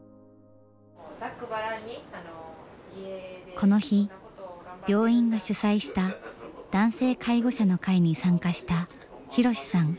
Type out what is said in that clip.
この日病院が主催した男性介護者の会に参加した博さん。